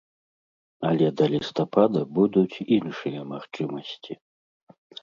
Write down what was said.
Але да лістапада будуць іншыя магчымасці.